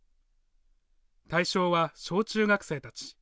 対象は小中学生たち。